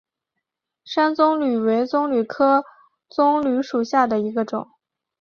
山棕榈为棕榈科棕榈属下的一个种。